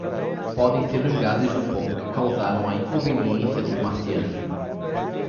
Podem ser os gases do fogo que causaram a inconveniência dos marcianos.